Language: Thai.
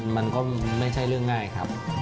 มันก็ไม่ใช่เรื่องง่ายครับ